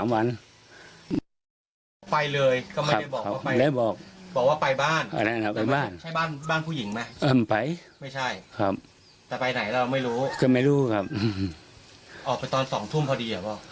ไม่ใช่แต่ไปไหนแล้วเราไม่รู้ครับออกไปตอน๒ทุ่มพอดีหรือเปล่า